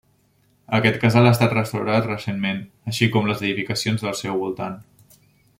Aquest casal ha estat restaurat recentment, així com les edificacions del seu voltant.